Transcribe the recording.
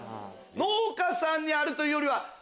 農家さんにあるというよりは。